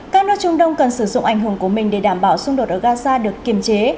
các nước trung đông cần sử dụng ảnh hưởng của mình để đảm bảo xung đột ở gaza được kiềm chế